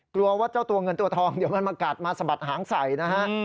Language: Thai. กลัวว่าเจ้าตัวเงินตัวทองเดี๋ยวมันมากัดมาสะบัดหางใส่นะฮะ